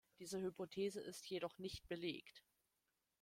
Diese Hypothese ist jedoch nicht belegt.